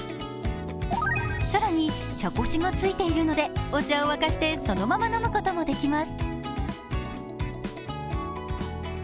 更に茶こしがついているのでお茶を沸かしてそのまま飲むこともできます。